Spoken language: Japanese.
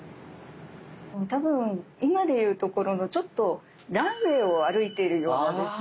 多分今でいうところのランウェイを歩いているようなですね。